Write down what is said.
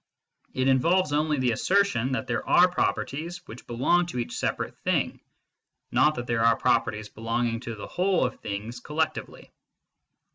It involves only the assertion that there are properties which belong to each separate thing, not that there are properties belonging to the whole of things collectively.